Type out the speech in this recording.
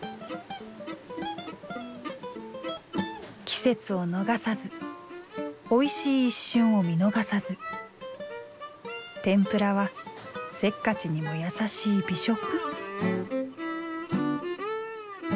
季節を逃さずおいしい一瞬を見逃さず天ぷらはせっかちにも優しい美食？